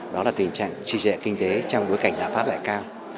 đó là tình trạng trì trệ kinh tế trong bối cảnh lạm phát lại cao